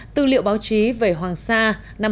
tư liệu báo chí về hoàng sa năm hai nghìn một mươi bốn